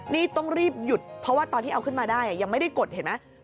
นี่ต้องรีบหยุดเพราะว่าตอนที่เอาขึ้นมาได้ยังไม่ได้กดเห็นไหม